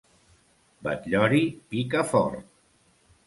Batllori, pica fort!